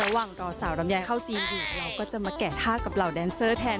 ระหว่างต่อสาวลำไยเข้าซีนอยู่เราก็จะมาแกะท่ากับเหล่าแดนเซอร์แทน